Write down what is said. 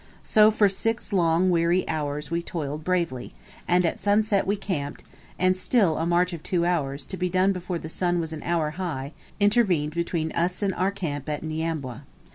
So for six long weary hours we toiled bravely; and at sunset we camped, and still a march of two hours, to be done before the sun was an hour high, intervened between us and our camp at Nyambwa.